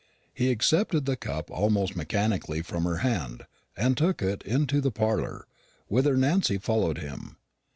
He accepted the cup almost mechanically from her hand, and took it into the parlour, whither Nancy followed him.